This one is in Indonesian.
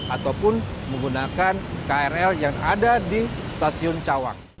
ataupun menggunakan krl yang ada di stasiun cawang